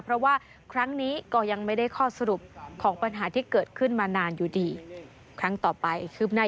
เพราะว่าครั้งนี้ก็ยังไม่ได้ข้อสรุปของปัญหาที่เกิดขึ้นมานานอยู่ดี